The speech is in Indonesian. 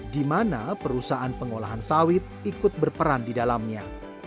dimana perusahaan pengolahan sawit ikut berperan di dalamnya